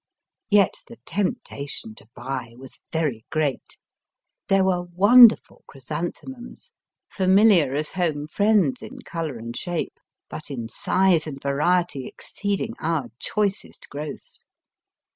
Yet the temptation to buy was very great. There were wonderful chrysanthemums, familiar as Digitized by VjOOQIC 198 EAST BY WEST. home firiends in colour and shape, but in size and variety exceeding our choicest growths.